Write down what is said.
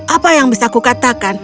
apa yang bisa aku katakan